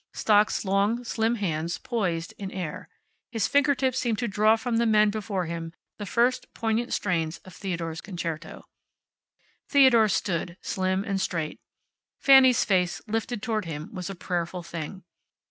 Stock's long, slim hands poised in air. His fingertips seemed to draw from the men before him the first poignant strains of Theodore's concerto. Theodore stood, slim and straight. Fanny's face, lifted toward him, was a prayerful thing.